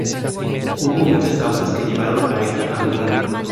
Hubo muchas causas que llevaron a esta hambruna.